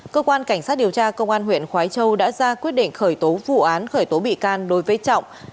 cơ quan cảnh sát điều tra công an huyện khói châu đã ra quyết định khởi tố vụ án khởi tố bị can đối với trọng